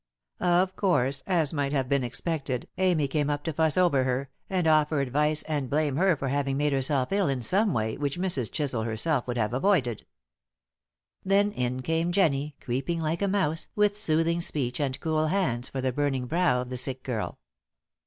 Of course, as might have been expected, Amy came up to fuss over her and offer advice and blame her for having made herself ill in some way which Mrs. Chisel herself would have avoided. Then in came Jennie, creeping like a mouse, with soothing speech and cool hands for the burning brow of the sick girl.